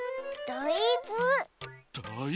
だいず。